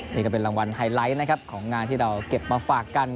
นี่ก็เป็นรางวัลไฮไลท์นะครับของงานที่เราเก็บมาฝากกัน